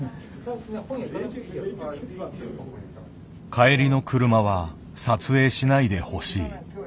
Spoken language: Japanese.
帰りの車は撮影しないでほしい。